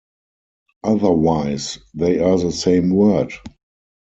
Otherwise, they are the same word.